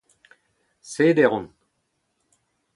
Seder on.